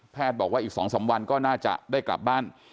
บอกว่าอีก๒๓วันก็น่าจะได้กลับบ้าน